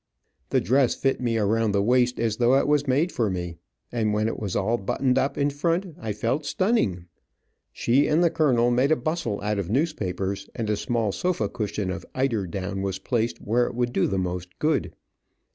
The dress fit me around the waist as though it was made for me, and when it was all buttoned up in front I felt stunning. She and the colonel made a bustle out of newspapers, and a small sofa cushion of eider down was placed where it would do the most good.